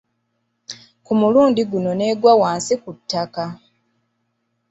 Ku mulundi guno n'egwa wansi ku ttaka.